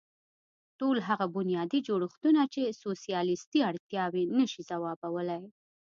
ټول هغه بنیادي جوړښتونه چې سوسیالېستي اړتیاوې نه شي ځوابولی.